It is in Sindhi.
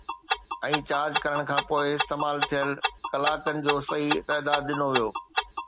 ۽ چارج ڪرڻ کان پوءِ استعمال ٿيل ڪلاڪن جو صحيح تعداد ڏنو ويو